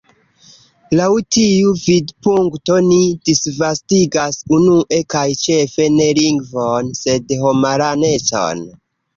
Laŭ tiu vidpunkto, ni disvastigas unue kaj ĉefe ne lingvon, sed homaranecon.